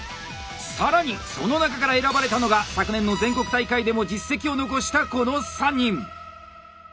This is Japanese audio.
更にその中から選ばれたのが昨年の全国大会でも実績を残したこの３人！